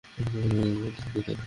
গতকাল আমরা ওই পথ দিয়ে এসেছি, তাই না?